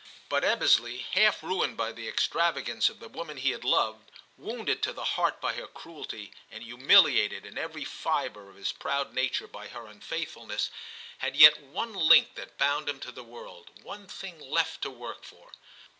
But Ebbesley, half ruined by the extravagance of the woman he had loved, wounded to the heart by her cruelty, and humiliated in every fibre of his proud nature by her unfaithfulness, o 194 TTAf CHAP. had yet one link that bound him to the world, one thing left to work for.